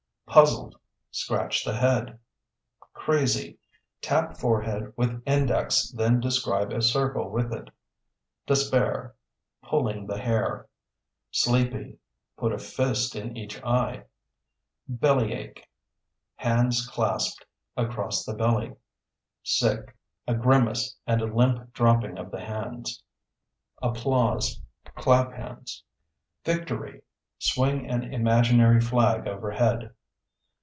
Puzzled (Scratch the head). Crazy (Tap forehead with index then describe a circle with it). Despair (Pulling the hair). Sleepy (Put a fist in each eye). Bellyache (Hands clasped across the belly). Sick (A grimace and a limp dropping of the hands). Applause (Clap hands). Victory (Swing an imaginary flag over head).